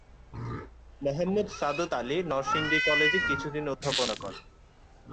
মোহাম্মদ সাদত আলী নরসিংদী কলেজে কিছুদিন অধ্যাপনা করেন।